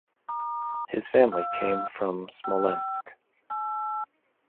His family came from Smolensk.